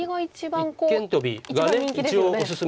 一間トビが一応おすすめです。